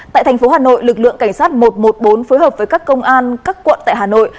tại thành phố hà nội lực lượng cảnh sát một trăm một mươi bốn phối hợp với các công an các quận tại hà nội